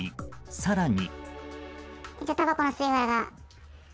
更に。